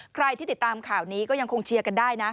ใครที่ติดตามข่าวนี้ก็ยังคงเชียร์กันได้นะ